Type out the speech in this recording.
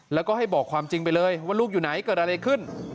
แล้วก็ให้บอกความจริงไปเลยว่าลูกอยู่ไหนเกิดอะไรขึ้น